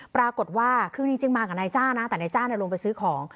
ปรากฏว่าคือจริงมากับนายจ้านะแต่นายจ้างลงไปซื้อของ